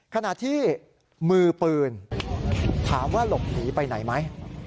ขณะที่มือปืนถามว่าหลบหนีไปไหนไหม